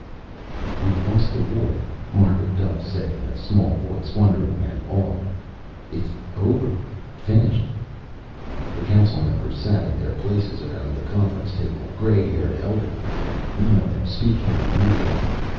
"We've lost the war," Margaret Duffe said in a small voice, wondering and awed. "It's over. Finished." The Council members sat in their places around the conference table, gray haired elderly men, none of them speaking or moving.